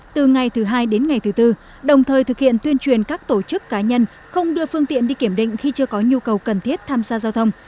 từ ngày thứ hai đến ngày thứ tư đồng thời thực hiện tuyên truyền các tổ chức cá nhân không đưa phương tiện đi kiểm định khi chưa có nhu cầu cần thiết tham gia giao thông